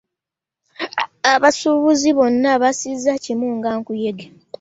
Abasuubuzi bonna bassizza kimu nga nkuyege.